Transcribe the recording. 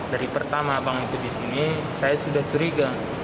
dari pertama bank itu di sini saya sudah curiga